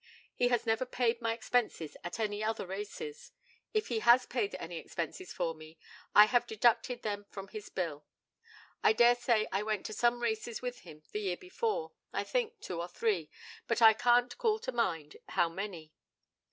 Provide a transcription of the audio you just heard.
He has never paid my expenses at any other races. If he has paid any expenses for me, I have deducted them from his bill. I dare say I went to some races with him the year before; I think two or three, but I can't call to mind how many.